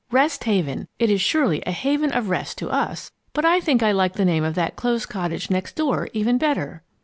'Rest Haven.' It is surely a haven of rest to us. But I think I like the name of that closed cottage next door even better."